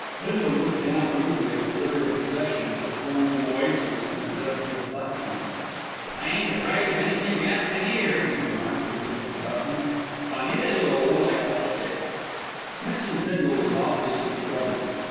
Bindle looked down ruefully at the litter of possessions that formed an oasis on a desert of platform. "They ain't afraid of anythink 'appening 'ere," he remarked, as he looked about him. "Funny little 'ole, I calls it." Mrs. Bindle was obviously troubled.